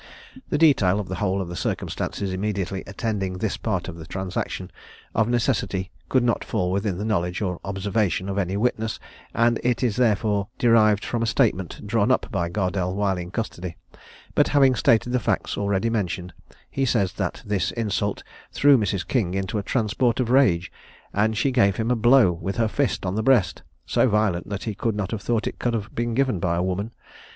The detail of the whole of the circumstances immediately attending this part of the transaction of necessity could not fall within the knowledge or observation of any witness, and it is therefore derived from a statement drawn up by Gardelle while in custody; but having stated the facts already mentioned, he says that this insult threw Mrs. King into a transport of rage, and she gave him a blow with her fist on the breast, so violent that he could not have thought it could have been given by a woman.